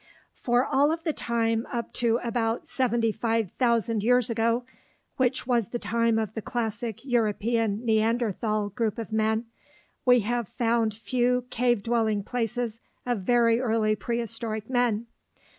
For all of the time up to about 75,000 years ago, which was the time of the classic European Neanderthal group of men, we have found few cave dwelling places of very early prehistoric men.